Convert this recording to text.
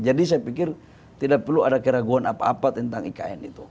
jadi saya pikir tidak perlu ada keraguan apa apa tentang ikn itu